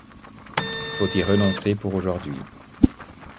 Faut y renoncer pour aujourd’hui.